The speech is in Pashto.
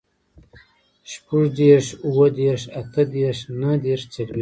شپوږدېرش, اوهدېرش, اتهدېرش, نهدېرش, څلوېښت